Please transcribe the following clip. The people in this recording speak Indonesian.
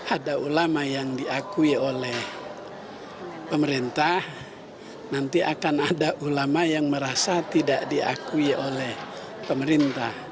ada ulama yang diakui oleh pemerintah nanti akan ada ulama yang merasa tidak diakui oleh pemerintah